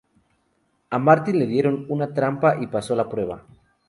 A Martin le dieron una trompa y pasó la prueba.